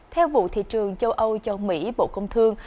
theo vụ thị trường châu âu châu mỹ bộ công thương